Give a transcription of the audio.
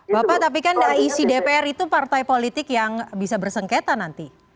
bapak tapi kan isi dpr itu partai politik yang bisa bersengketa nanti